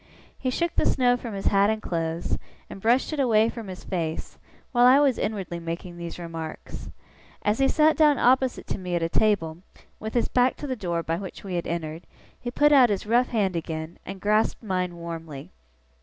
He shook the snow from his hat and clothes, and brushed it away from his face, while I was inwardly making these remarks. As he sat down opposite to me at a table, with his back to the door by which we had entered, he put out his rough hand again, and grasped mine warmly.